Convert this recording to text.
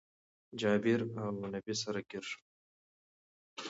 جابير اونبي سره ګير شول